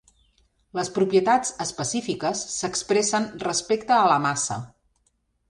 Les propietats "específiques" s'expressen respecte a la massa.